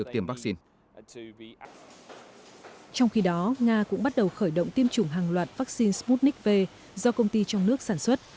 trong khi đó nga cũng bắt đầu khởi động tiêm chủng hàng loạt vaccine sputnik v do công ty trong nước sản xuất